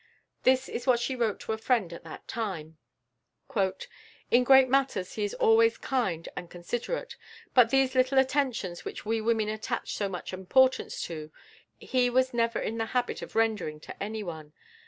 This is what she wrote to a friend at that time: "In great matters he is always kind and considerate, but these little attentions which we women attach so much importance to, he was never in the habit of rendering to anyone.